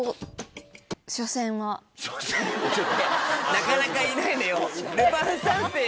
なかなかいないのよ。